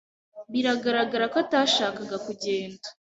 Biragaragara ko atashakaga kugenda.